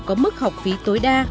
có mức học phí tối đa